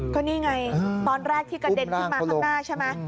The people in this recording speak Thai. ก็นี่ไงตอนแรกที่กระเด็นขึ้นมาข้างหน้าใช่ไหม